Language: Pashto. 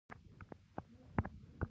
نه د ځینو ناروغیو واکسین لویانو ته هم کیږي